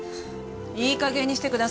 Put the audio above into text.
いいかげんにしてください。